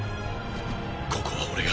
ここは俺が！！